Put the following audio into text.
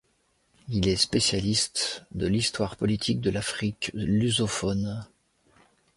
Il est spécialiste de l'histoire politique de l'Afrique lusophone.